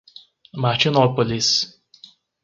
Martinópolis